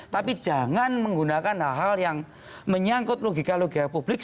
tapi jangan menggunakan hal hal yang menyangkut logika logika publik